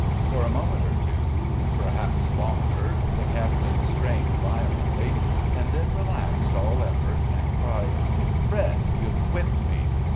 For a moment or two, perhaps longer, the captain strained violently, and then relaxed all effort, and cried: "Fred, you've whipped me!"